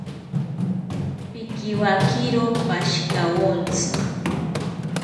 Pikiwakiro pashikawontzi